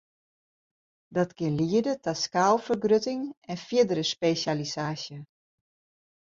Dat kin liede ta skaalfergrutting en fierdere spesjalisaasje.